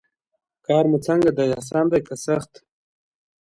کار مو څنګه دی اسان دی که سخت.